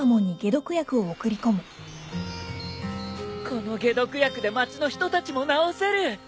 この解毒薬で町の人たちも治せる。